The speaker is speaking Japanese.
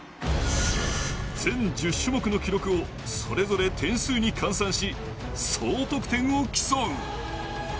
全１０種目の記録をそれぞれ点数に換算し総得点を競う。